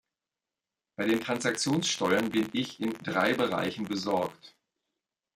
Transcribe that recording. Bei den Transaktionssteuern bin ich in drei Bereichen besorgt.